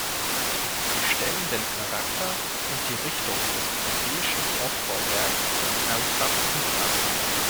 Sie stellen den Charakter und die Richtung des europäischen Aufbauwerks ernsthaft in Frage.